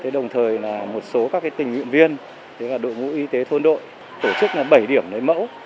đồng thời là một số các tình nguyện viên đội ngũ y tế thôn đội tổ chức bảy điểm lấy mẫu